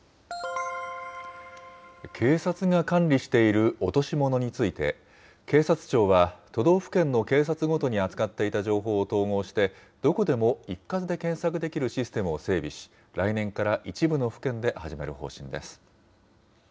警察が管理している落とし物について、警察庁は、都道府県の警察ごとに扱っていた情報を統合して、どこでも一括で検索できるシステムを整備し、来年から一部の府県で始める方針です。